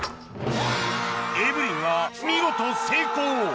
エブリンが見事成功！